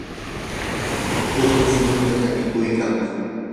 ukush numyata mikuykan.